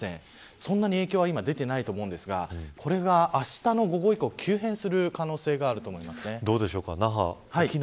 そんなに影響は出ていないと思うんですが、これがあしたの午後以降、急変する可能性があると思います。